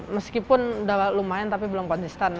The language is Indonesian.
meskipun udah lumayan tapi belum konsisten